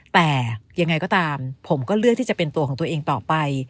แต่ยังไงก็ตามผมก็เลือกที่จะเป็นตัวของตัวเองต่อไป